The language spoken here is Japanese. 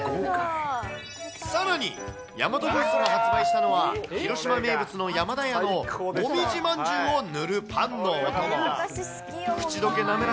さらにヤマトフーズが発売したのは、広島名物のやまだ屋のもみじ饅頭を塗るパンのお供。